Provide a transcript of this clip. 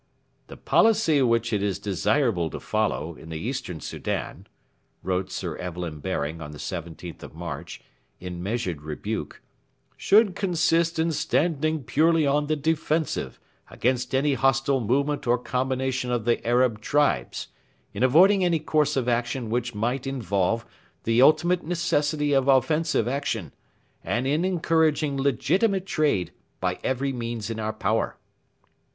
'The policy which it is desirable to follow ... in the Eastern Soudan,' wrote Sir Evelyn Baring on the 17th of March, in measured rebuke, 'should consist in standing purely on the defensive against any hostile movement or combination of the Arab tribes, in avoiding any course of action which might involve the ultimate necessity of offensive action, and in encouraging legitimate trade by every means in our power.'